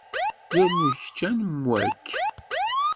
Yernu kečč anwa-k?